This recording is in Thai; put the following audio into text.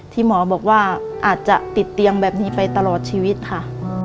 หมอบอกว่าอาจจะติดเตียงแบบนี้ไปตลอดชีวิตค่ะ